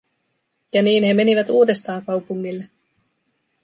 Ja niin he menivät uudestaan kaupungille.